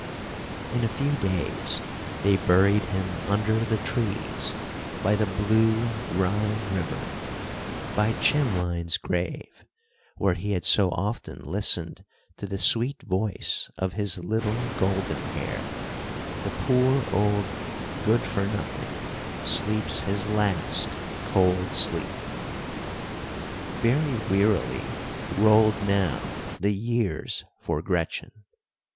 In a few days they buried him under the trees, by the blue Rhine River. By Chimlein's grave, where he had so often listened to the sweet voice of his little Golden Hair, the poor old "Good for Nothing" sleeps his last, cold sleep. Very wearily rolled now the years for Gretchen.